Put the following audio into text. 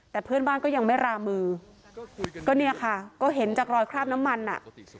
แต่เพื่อนบ้านก็ยังไม่รามือก็เนี่ยค่ะก็เห็นจากรอยคราบน้ำมันอ่ะ